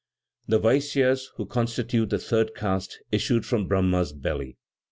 The Vaisyas, who constitute the third caste, issued from Brahma's belly.